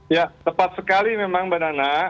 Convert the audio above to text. ya tepat sekali memang mbak nana